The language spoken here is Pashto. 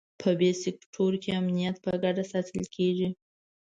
په بي سیکټور کې امنیت په ګډه ساتل کېږي.